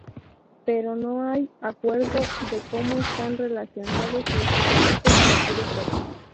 Pero no hay acuerdo de como están relacionados los diferentes subgrupos.